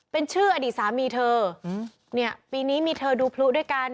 เป็นชื่ออดีตสามีเธอเนี่ยปีนี้มีเธอดูพลุด้วยกัน